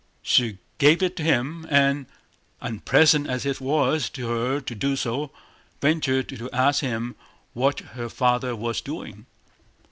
She gave it to him and, unpleasant as it was to her to do so, ventured to ask him what her father was doing.